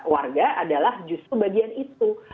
warga adalah justru bagian itu